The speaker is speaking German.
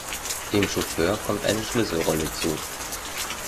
Dem Chauffeur kommt eine Schlüsselrolle zu.